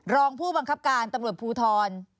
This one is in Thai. รองผู้บังคับการตำรวจภูทร